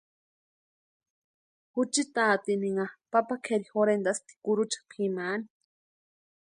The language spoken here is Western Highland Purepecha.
Juchi taatininha papa kʼeri jorhentʼaspti kurucha pʼimaani.